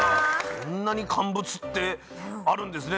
こんなに乾物ってあるんですね。